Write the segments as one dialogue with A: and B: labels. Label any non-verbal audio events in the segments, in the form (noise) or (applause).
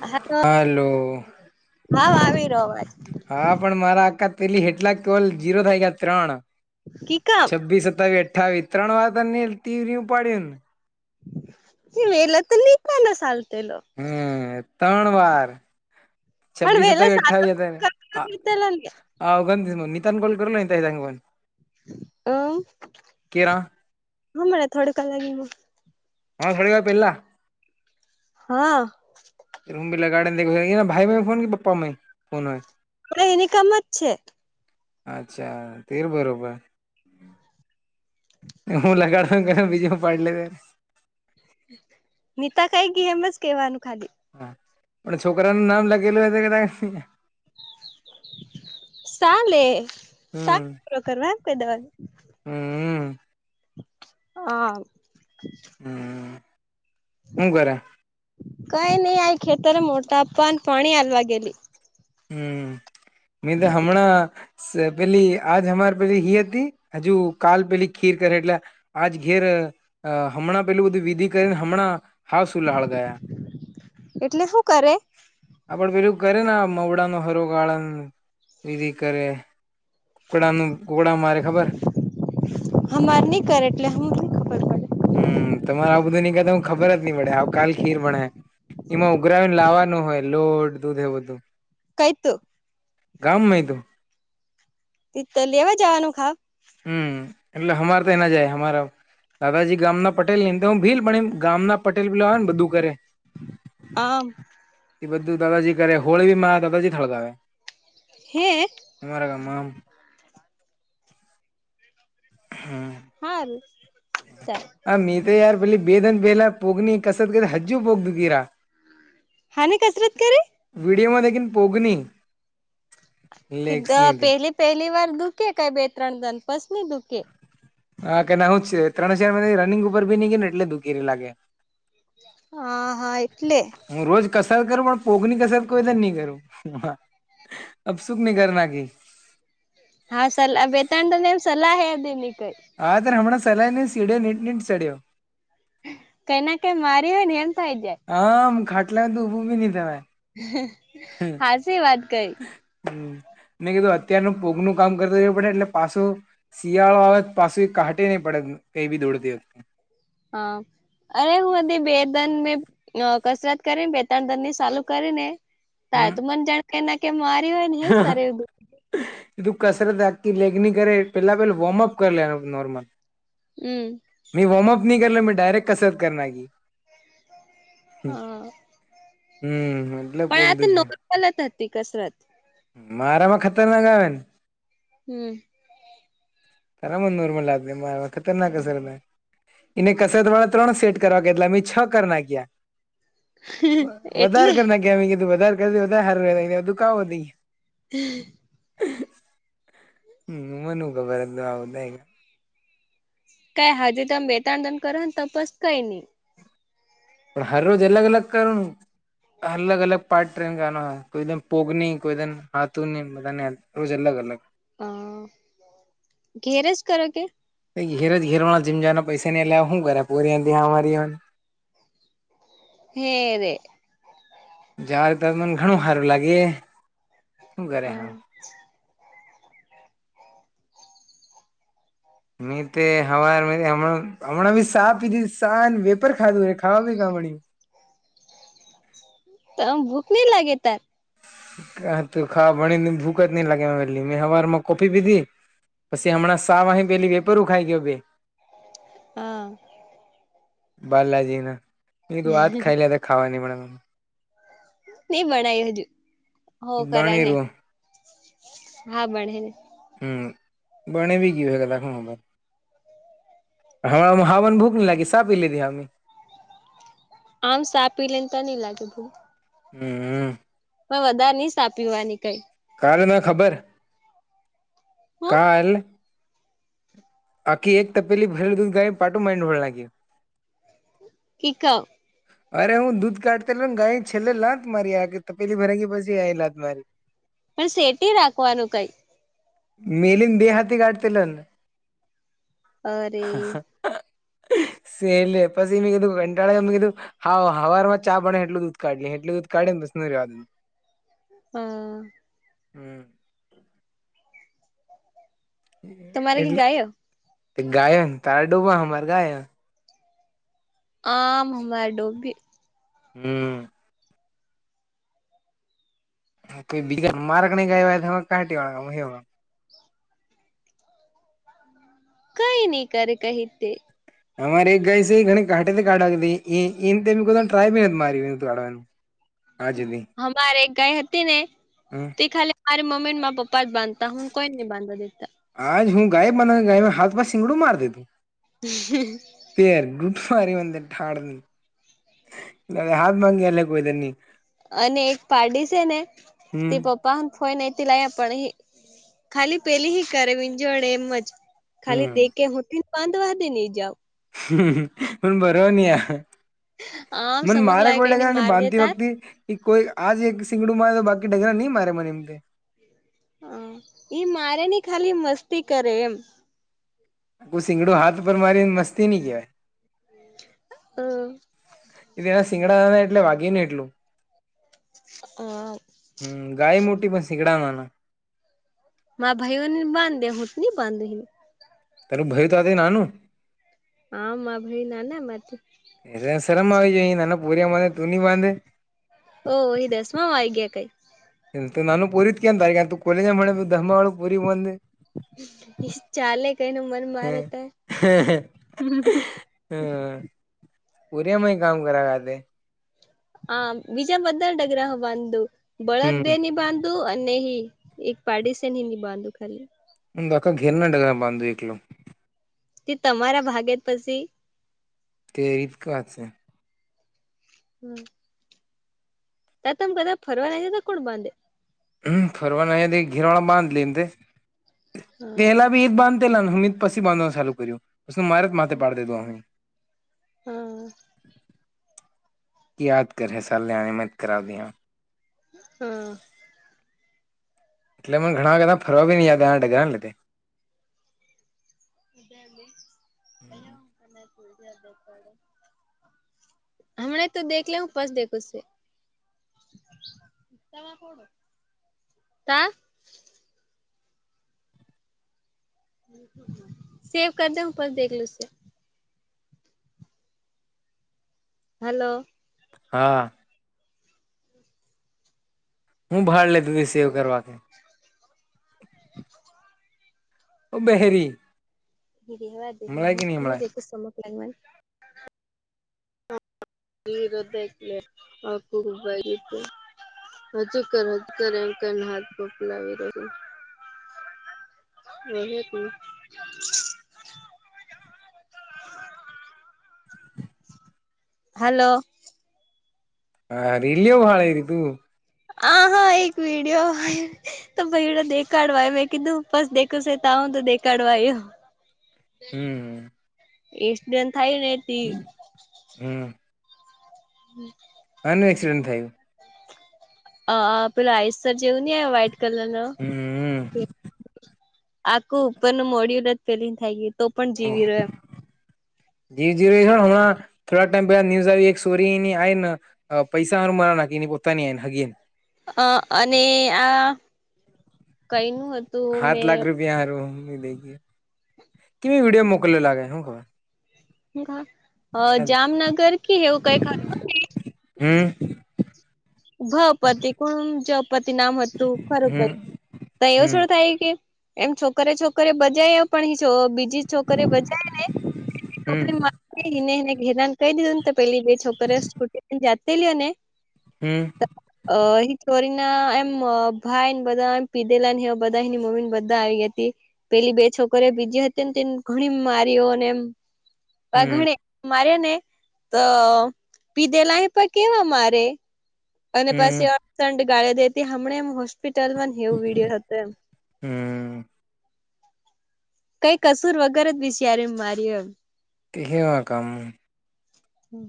A: હા.
B: હલો.
A: હા, આવી રો અવાજ.
B: હા, પણ મારા આકા, પેલી કેટલા કોલ જીરો થઈ ગયા? ત્રણ.
A: કી કા.
B: છવ્વીસ, સત્તાવીસ, અઠ્ઠીસાવીસ, ત્રણ વાર તને તીવરું ઉપાડ્યું ને?
A: (inaudible)
B: હમ્મ, ત્રણ વાર.
A: પણ
B: છવ્વીસ
A: વેલો
B: સતાવિશ
A: સાલો
B: અઠ્ઠાવીહ ને હા હ ગી નનીતાન ગોલ કરર એ થંગન.
A: અ,
B: કેરા
A: હુ મેથડ કલાક એમા
B: હા, થોડી વાર પેલા.
A: હા.
B: રૂમ ભ લગાડનેે દેખાય, ભાઈમાં ફોન કે પપામાં ફોન હો.
A: એની કમ જ છે.
B: અચ્છા, તેર બરોબર. હું લગાડ. ઘ બીજુંમાં પાડલે ત.
A: નીતા કઈ ગી એમ જ કેવાનું ખાલી.
B: હા, પણ છોકરાનું નામ લાગેલું હોય છે કે?
A: સાલેે સા
B: હમ
A: પૂરો કરવા ક દવા.?
B: હમ.
A: હા.
B: હ, હું કરો.
A: કઈ નહીં, આખે ત્યારે મોટા પાન પાણી આલવા ગેલી.
B: હમ, મે તો હમણાં. પેલી આજ અમારે પે રહી હતી, હજુ કાલ પેલી ખીર કરે એટલે. આજ ઘેર હમણાં પેલું બધું વિધિ કરીને હમણાં હા, સુઈ ગયા. (unintelligible)
A: એટલે શું કરે.
B: આપડે પેલું કરે ને મવડામા હરોગાળન વિધિ કરે. કુકડાનું કુકડા મારે ખબર હે
A: અમારે નહી કરે એટલે હમ (inaudible) ખબર પડે.
B: હમ તમારે આ બધું નનીકતો હ ખબર જ નહી પડે આવ કાલ ખીર ભણાય. એમાં ઉઘરાવીને લાવવાનું હોય લોટ દૂધ એ બધું.
A: કઈ તું
B: ગામમેહી તું
A: તતો લેવા જવાનું ખાવ.
B: હમ એટલે હમાર તો એના જાય હમારા. દાદાજી ગામ ના પટેલ ને તો હું ભીલ પણ ગામ ના પટેલ પેલું આવે ને બધું કરે
A: આમ.
B: એ બધું દાદાજી કરે હોળી બી મા દાદાજી થળગાવે.
A: હે.
B: અમારા ગામમાં હમ
A: હારુ (inaudible)
B: આ મેતો યાર પેલી બેદિન પેલા પૂગની કસરત (inaudible) હ જુ પોગ દ ગીરા
A: હાની કસરત કરે?
B: વિડીયોમાં દેખી પુગની
A: દ પેલી પહેલી વાર દુખ કઈ બે ત્રણ દન પસ નહી દુખ.
B: હા કે ના હું જ છે ત્રણ હજાર મ રનીગ ઉપર ભી ની ગય ને એટલે દુખી લાગે
A: હા હા એટલે.
B: હું રોજ કસરત કરું પણ પૂગ ની કસરત કોઈ દિન નહી કરું. અબ સુખ ન કરના કેી.
A: હા સલા બેતાન્મ સલાહ હે દીન નકઈ
B: હા તર હમણાં સલાહઈ ને સીઢે નીટ નીટ સઢ્યો
A: કૈનાકે મારી હોય ને હેમ થઈ જાય
B: હા આમ ખાટલા તોભું બી નઈ થવા
A: હાચી વાત કઈ
B: હમ મેં કીધું અત્યારનો પૂગ નું કામ કરતો રહવું પડે એટલે પાછો. શિયાળો આવેત પાસું કાટે નહી પડત કઈ બી દોડતી વખતે.
A: હા. અરે હું બે દન મે કસરત કરીને બે ત્રણ દન ની ચાલુ કરી ને. તા તો મને જાણ કે એ ના કે મારી હોય ને. હે સરે
B: હાહા એધું કસરત (inaudible) લેગ ની કરે પેલા પેલા વોર્મઅપ કરી લેવા નું નોર્મલ.
A: હમ
B: મી વોર્મઅપ ન કરલોં ડાયરેક્ટ કસરત કર નાખી
A: હ (unintelligible)
B: હમ એટલે
A: પણ
B: પોગ
A: આ
B: દુખી
A: નોક (unintelligible) ચાલત હતી કસરત
B: મારામાં ખતરનાક આવે ને
A: હમ
B: તારા મરમાં લાગ મારા ખતર ના કસર ને એને કસરત વાળા ત્રણ સેટ કરવા કેટલા મેં છ કર નાખ્યા વધારે
A: એટલે
B: કર નાખ્યા મેં કીધું વધારે કર ધો વધારે હારું કાવ
A: તેી (unintelligible)
B: હ (unintelligible) હમ (unintelligible) આવદા એ
A: કઈ હાજી તમે બેતાન દિન કરો ને ત પસ કઈ નઈ
B: પણ હર રોજ અલગ અલગ કરનુ અલગ અલગ પાર્ટ ટ્રેન ગ હો કોઈન પોગ નની કોઈ દમ હાથુ ન બધાને રોજ અલગ અલગ
A: હ ઘેર જ કરો કે
B: ઘેર જ ઘેરવાળ જીમવા પૈસા નઈ લે હું કરે (unintelligible) અમારી
A: હેરે
B: જાર ત (unintelligible) ઘણું સારું લાગે શું કરે
A: અ
B: હા મે તે હવાર હમણા હમણાં ભી ચાહ પીધી ચાહ અને વેફર ખાધું રે ખાવા બી કામણી
A: તન ભૂખ ન લાગે તન
B: હા તું ખા ભણી ને ભૂખ જ ની લાગેેલી એટલી, મેં હવારમાં કોફી પીધી પછી હમણાં ચાહ વાહે પેલી વેફર ઓ ખાઈ ગયો ભ
A: હા
B: બાલાજી ના ની તું આજ ખાઈ લે રે ખાવાની મડે
A: ની બણાય હજુ, હો કર
B: બણી
A: ને,
B: રું
A: હા ભણે ને
B: હ બને બી કીધેલા (unintelligible) હવારમાં હાવન ભૂખ લાગે સાપી લીધી હમી
A: આમ સા પી લે ને ત ની લાગે ભૂખ
B: હમ
A: પણ વધારે ની ચા પીવાની કઈ
B: કાલ ના ખબર,
A: હ
B: કાલ આખી એક તપેલી ભરેલી દૂધ ગાય પાટું મારી ધોળ નાખ્યુ
A: ઈક
B: અરે હું દૂધ કાઢતનલ ગાયે છેલ્લે લાત મારી આ કે તપેલી ભરાઈ ગી પછી એને લાત મારી (inaudible)
A: પણ શેટી રાખવાનું કઈ
B: મેલીન બે હાથી ગાઢતી લન
A: અરે
B: હ, સેલે પછી મેં કીધું કંટાળામી કીધું હા, હવાર માં ચા બને એટલું દૂધ કાઢી એટલું દૂધ કાઢી નેસ ન રેવા દધ
A: હઅ
B: હમ
A: તમારે કે
B: એટલે
A: ગાયો
B: ગાયો ને તારા ડૂબા અમારે ગાયહ
A: અમ ડોબી
B: હમ કોઈ બીજા, મારકણી ગાય (unintelligible)
A: કંઈ ની કરે કહેતે
B: અમારે એક ગાય સે, ઘણી કાઢટેથી કાઢવા બી એ એમ તેમ કોઈ દાળ ટ્રાય બી નથી મારી દૂધ કાઢવાનું (inaudible) સુધી
A: અમારે એક ગાય હતી ને,
B: હમ
A: તે ખાલી મારી મમ્મી ને માર પપા જ બાધતા, હું કઈ ની બાધવા દેતા
B: આજ હું ગાય બના ગાયમાં હાથ મા સિંગડું માર દીધું
A: હ
B: (unintelligible) અંદ ઠાળની અ હામાંંગી એ લ કોઈ દ ની
A: અને એક પાડી છે ને
B: હમ
A: તે પપ્પ પાહ ફોય નહતી. લ પણ ઈ ખાલી પેલી હી કરે, વિંજોડ એમજ ખાલી દે
B: હમ
A: કે હોતીન, બાંધવાં તી જાઓ
B: હ, બરો ની આ
A: આમ સમક
B: (unintelligible)
A: લાય કઈને માર
B: બાંધતી
A: દેતા
B: વખતિ એ કોઈ આજ એક સીંગડું મારે તો. બાકી ઢગરા નહી મારે મને એમ કે.
A: હ ઈ મારે નહીં ખાલી મસ્તી કરે એમ.
B: કોઈ સિંગડું હાથ પર મારીને, મસ્તી નહી કહેવાય.
A: અ
B: (unintelligible) સીંગડા એટલે વાઘી ને એટલું.
A: હા!
B: હમ! ગાય મોટી પણ સિગડા નાના.
A: મા ભાઈઓ બાંધ્યા હોત (unintelligible) બાંધ.
B: (unintelligible) ભાઈ તો (unintelligible) નાનું.
A: હમાં ભાઈ ના ના
B: એ શરમ આવી. (unintelligible)
A: ઓહી દસવા વાઈ ગયા કઈ.
B: એ નાનુ (unintelligible) કોલેજ (unintelligible)
A: ચાલે કઈ ન મન
B: હ
A: મારે તો.
B: હમ પોરિયામાં કામ (unintelligible)
A: (unintelligible) બળદ
B: હમ
A: દેની બાધ. તું અને એક પાડીસે ન બાંધુ ખાલી.
B: (unintelligible) ઘેરના ડગર બાંધ એકલો.
A: તે તમારા ભાગે પછી.
B: તે રીત (unintelligible) છે.
A: હમ! તમ (unintelligible) ફરવા છે, તો કોણ બાંધે?
B: (unintelligible) ઘેરવાણાા બાંધ (unintelligible)
A: હા
B: પેલાી ઈદ બાંધેલા હું. (unintelligible) પછી બાંધવાનું ચાલુ કર્યું (unintelligible) મારે જ માથે પાડી દેધું.
A: હા!
B: યાદ કર (unintelligible)
A: હમ!
B: એટલેને ઘણા બધા ફરવા (unintelligible)
A: (inaudible) હમણા તો દેખ લ હું (unintelligible) (inaudible) સેવ કર દેખ (unintelligible) દેખ (unintelligible) હલો.
B: હા! હું ભાડ લેતી તી સેવ કરવા કે. બેહેરી. મળે
A: (inaudible) (unintelligible) હજુ કર હજ કર એ કરને હાથ બપલાવી રહ્યું. (inaudible) હલો
B: હા (unintelligible) એ રહ હતું
A: આ હા એક વીડિયો તો ભાઈ એ દેખાડવા મેં કીધું પસ દેખું (unintelligible) તો દેખાડવાય
B: હમ.
A: (inaudible)
B: હમ.
A: (unintelligible)
B: હાનું એક્સિડેન્ટ થયું.
A: અ પેલા આઈસ જેવું ન વ્હાઈટ કલર (unintelligible)
B: હમ. હમ
A: આખું ઉપરનું મોઢીયું જ લીલ ખાઈ ગઈ તો પણ જીવી રહયા
B: જીજીવિના હમણા થોડાક ટાઈમ પેલા ન્યૂઝ આવી એક સોરીની હાઇ ન પૈસા હારુ મારી નાખી, પોતાની આઈને હગીન
A: અ અને આ, કયુ હતું મેં
B: બિહારુ (unintelligible) કેવી વીડીયો મોકલ્યો લાગે હું હવે
A: જામનગર કે એવું કઈક હતું ને
B: હમ
A: ભ પરથી, કોણ જ પરથી નામ હતું ખરું
B: હમ
A: કઈ ત એવું
B: હમ
A: છોડું થાય કે, એમ છોકરિયો છોકરિયો બજાય પણ જો બી બીજી છોકરીઓ બચાયે ને, બીજી
B: હમ
A: છોકરીને વા એને એને હેરાન કરી દીધું ને તો પેલી બે છોકરી સ્કૂટીને જાતે લ્યો ને
B: હમ
A: અ એ છોરી ના એમ ભાઈ ને બધા એમ પીધેલા બધા એની મમ્મી ને બધા આવી ગયા હતા, પેલી બે છોકરી બીજી હતી ને તે ઘણી મારીઓ અને એમ પણ
B: હમ
A: ઘણે મારે ને, તો પીધેલા પણ કેવા મારે અને
B: હમ
A: પછી અંતશંત ગળ્યો દેતી, હમણા એમ હોસ્પિટલમાં એવું, વિડીયો હતો એમ
B: હમ
A: કઈ કસૂર વગેર જ બીચીયારિને મારીયુ એમ
B: તે કેવા ગામ
A: હમ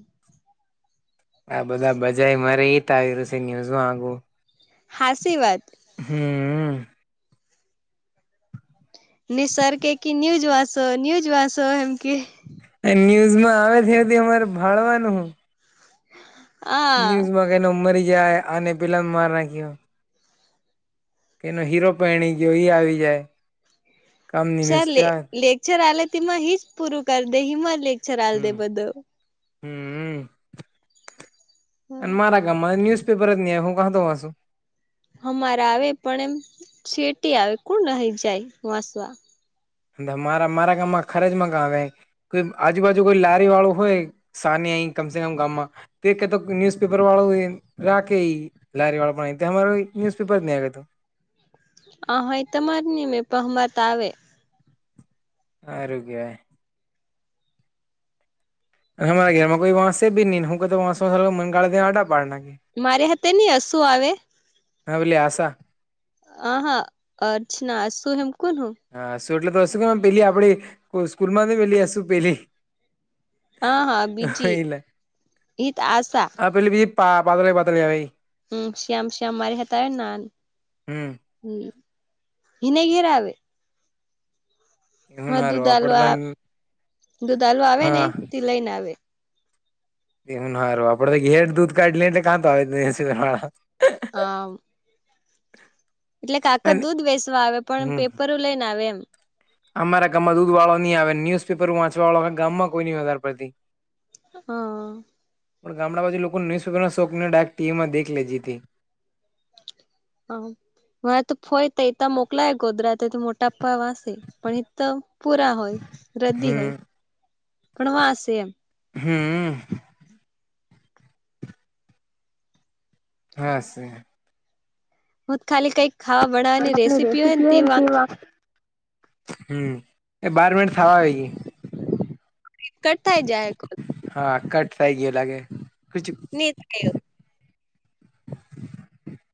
B: આ બધા બજાય મારે એ તો આવી ગયું છે ન્યુઝમાં આગું
A: હાસી વાત
B: હમ
A: નિ સર કે કી ન્યુઝ વાસો, ન્યુજ વાસો, એમ કી
B: ન્યુઝમાં આવે છેવથી, અમારે ભાણવાનું હું
A: હા
B: ન્યૂઝમાં પેલો મરી જાય, આને પેલાને માર નાખ્યો એનો હીરો પયણી ગયો, એ આવી જાય કામની ન્યુઝ
A: સર લે
B: ત્યાં
A: લેક્ચર આલે, તેમાં હી જ પૂરું કરી દે, હિમાં લેક્ચર આલ દે
B: હમ
A: બધુ
B: હમ, અને મારા ગામમાં ન્યૂઝ પેપર જ ની આવે, હું કહાતો વાસુ?
A: અમારા આવે પણ એમ, શેટી આવે, કોણ આહી જાય વાંસવા?
B: મારા મારા ગામમાં ખરેજ માંગાવે, કો આજુબાજુ કોઈ લારી વાળું હોય સાની આઈ કમ સે કમ ગામમાં, તે કતો ન્યુઝપેપર વાળો એ રાખે ઈ લારી વાળા પણ તે, એમારો ન્યૂઝ પેપર ની આવે
A: હ હા એ તમારે નઈ, મેં પહ માર ત આવે
B: હારુ કેવાય હમારા ઘરમાં કોઈ વસે ભી નહીં, હું કહું વસુ તો મને ગાળ દઈ આંટા પાડી નાખે
A: મારી હાથે ની હસુ આવે?
B: હા, ઓલી આસા?
A: અહ, અર્ચના, આસુ નામ કુનુ?
B: હસુ એટલે તો હસુ ખબર પેલી આપણી, સ્કૂલ માં બી પેલી હસુ પેલી.
A: હા, હા, બીજી.
B: એટલે
A: એ તો આસા
B: હા પેલી બી, પા પાતળી પાતળી આવે ઈ
A: હમ, શ્યામ શ્યામ મારી હાથે આવે ના!
B: હમ
A: ઈને ઘેર આવે!
B: એવું
A: હા,
B: ના હારું
A: દૂધ
B: આપડે
A: આલવા,
B: તો
A: દૂધ આલવા આવે ને,
B: હા
A: તે લઈને આવે.
B: એવું હારું, આપડે તો ઘેર દૂધ કાઢી લઈએ એટલે કાં તો આવે જ નહીં હસુ દેવા!
A: અ
B: (inaudible)
A: એટલે કાકા દૂધ વેસવા આવે, પણ
B: હમ
A: પેપર હો લઈને આવે એમ.
B: અમારા ગામમાં દૂધ વાળો નહીં આવે ન્યુઝપેપર વાંચવા વાળો ગામમાં કોઈ નની વધારે પડતી.
A: હા.
B: પણ ગામડા બાજુ લોકો ન્યુઝપેપર ના શોકનેાયક ટીવીમાં દેખ લેધી હતી,
A: હ હ, વા તો ફોય તો એતા મોકલાય ગોધરાતે તો મોટાપ્પા વાસે. પણ એ તો પુરા હોય રદ્દી હોય
B: હમ
A: પણ વાસે એમ.
B: હમ્મ હા છે.
A: હું તો ખાલી કઈક ખાવા બનાવાની
B: ની
A: રેસીપી હોય ને તે વા
B: હમ્મ એ બાર મિનિટ થવા આવી ગઈ.
A: કટથાય જાય કોલ
B: હા, કટ થઇ ગયો લાગે.
A: નિ થયો